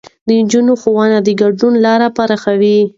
د نجونو ښوونه د ګډون لارې پراخوي.